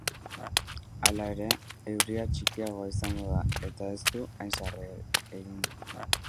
Hala ere, euria txikiagoa izango da eta ez du hain sarri egingo.